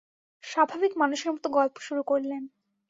স্বাভাবিক মানুষের মতো গল্প শুরু করলেন।